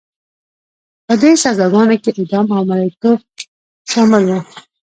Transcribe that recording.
په دې سزاګانو کې اعدام او مریتوب شامل وو.